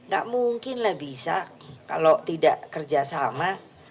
gak mungkin lah bisa kalau tidak kerjasama